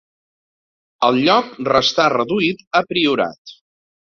El lloc restà reduït a priorat.